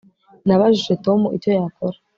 Nabajije Tom icyo yakora